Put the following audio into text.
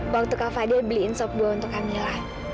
waktu kak fadil beliin sop dua untuk kak mila